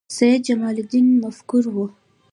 سید جمال الدین مفکر و